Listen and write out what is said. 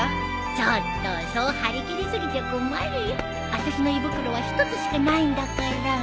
ちょっとそう張り切り過ぎちゃ困るよ。あたしの胃袋は１つしかないんだから。